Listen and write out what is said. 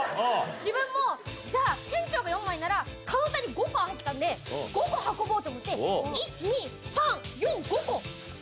自分もじゃあ店長が４枚ならカウンターに５個あったんで５個運ぼうって思って１２３４５個。